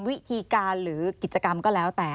วิธีการหรือกิจกรรมก็แล้วแต่